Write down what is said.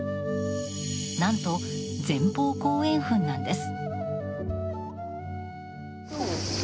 何と、前方後円墳なんです。